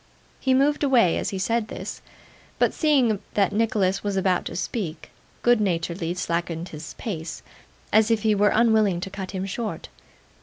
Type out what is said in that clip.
He moved away as he said this; but seeing that Nicholas was about to speak, good naturedly slackened his pace, as if he were unwilling to cut him short.